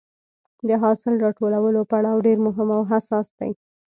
د حاصل راټولولو پړاو ډېر مهم او حساس دی.